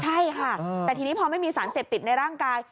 ใช่ค่ะแต่ทีนี้พอไม่มีสารเสพติดในร่างกาย